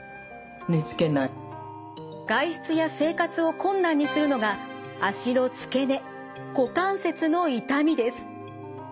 外出や生活を困難にするのが脚の付け根股関節の痛みです。